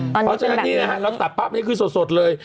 เพราะฉะนั้นนี่รอบตักปับใช้คือสดเลย